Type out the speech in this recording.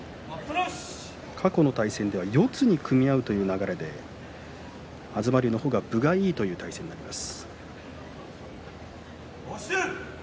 過去の対戦では四つに組み合うという流れで東龍の方が分がいいという対戦になります。